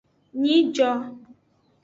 Nyijo.